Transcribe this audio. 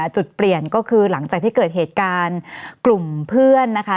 จุดเปลี่ยนก็คือหลังจากที่เกิดเหตุการณ์กลุ่มเพื่อนนะคะ